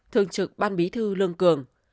thường trực ban bí thư lương cường